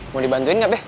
mau dibantuin gak be